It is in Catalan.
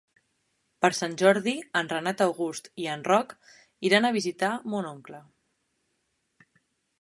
Per Sant Jordi en Renat August i en Roc iran a visitar mon oncle.